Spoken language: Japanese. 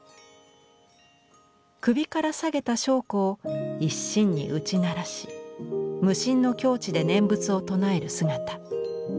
首から下げた鉦鼓を一心に打ち鳴らし無心の境地で念仏を唱える姿。